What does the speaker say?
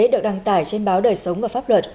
được đăng tải trên báo đời sống và pháp luật